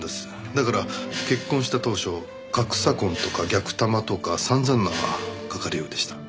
だから結婚した当初「格差婚」とか「逆玉」とか散々な書かれようでした。